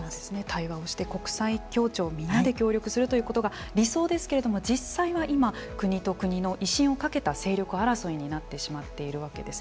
対話をして国際協調みんなで協力をするということが理想ですけれども実際は今国と国の威信を懸けた勢力争いになってしまっているわけです。